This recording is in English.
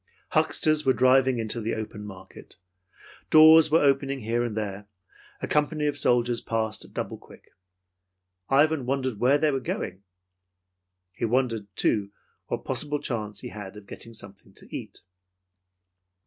Hucksters were driving into the open market. Doors were opening here and there. A company of soldiers passed at double quick. Ivan wondered where they were going. He wondered, too, what possible chance he had to get something to eat.